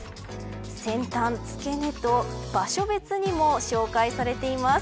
先端付け根と場所別にも紹介されています。